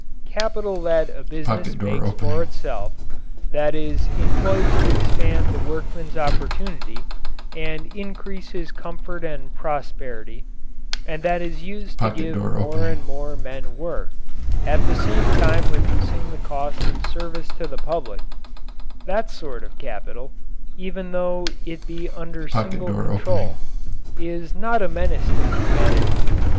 Capital that a business makes for itself, that is employed to expand the workman's opportunity and increase his comfort and prosperity, and that is used to give more and more men work, at the same time reducing the cost of service to the public that sort of capital, even though it be under single control, is not a menace to humanity.